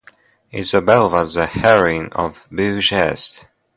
"Isobel" was the heroine of "Beau Geste".